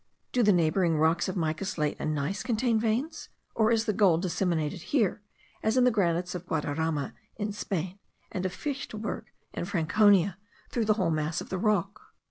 Do the neighbouring rocks of mica slate and gneiss contain veins? or is the gold disseminated here, as in the granites of Guadarama in Spain, and of the Fichtelberg in Franconia, throughout the whole mass of the rock?